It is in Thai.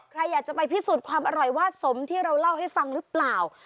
ใครอยากจะไปพิสูจน์ความอร่อยว่าสมที่เราเล่าให้ฟังหรือเปล่า